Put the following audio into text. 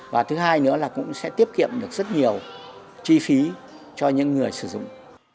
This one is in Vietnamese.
và thứ hai nữa là cũng sẽ tiết kiệm được rất nhiều chi phí cho những người sử dụng